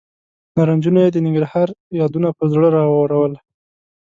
نارنجونو یې د ننګرهار یادونه پر زړه راورول.